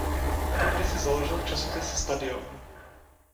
Tu kdysi založil časopis Stadion.